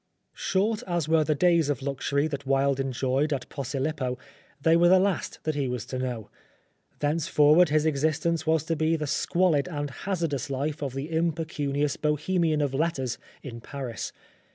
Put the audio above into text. Short as were the days of luxury that Wilde enjoyed at Posilippo, they were the last that he was to know. Thenceforward his existence was to be the squalid and hazardous life of the impecunious Bohemian of letters in Paris.